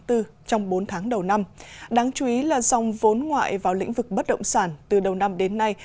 trong bốn tháng đầu năm đáng chú ý là dòng vốn ngoại vào lĩnh vực bất động sản từ đầu năm đến nay